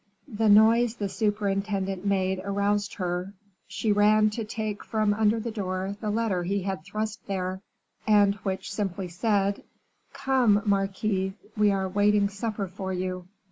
The noise the superintendent made aroused her; she ran to take from under the door the letter he had thrust there, and which simply said, "Come, marquise; we are waiting supper for you."